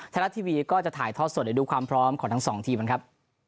ไทยรัฐทีวีก็จะถ่ายทอดสดเดี๋ยวดูความพร้อมของทั้งสองทีมกันครับ